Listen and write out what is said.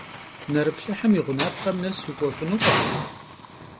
Nerıplhıhım yi ğunapkhem nes vuk'uefınu p'ere?